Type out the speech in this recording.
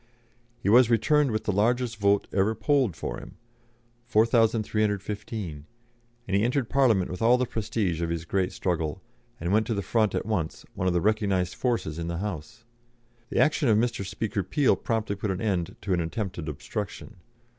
He was returned with the largest vote ever polled for him 4,315 and he entered Parliament with all the prestige of his great struggle, and went to the front at once, one of the recognised forces in the House. The action of Mr. Speaker Peel promptly put an end to an attempted obstruction.